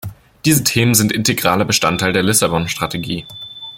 Diese Themen sind integraler Bestandteil der Lissabon-Strategie.